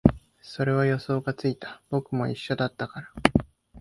それは予想がついた、僕も一緒だったから